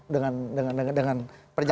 dengan pernyataan pak wiranto